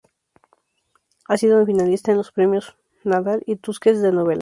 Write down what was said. Ha sido finalista en los Premios Nadal y Tusquets de novela.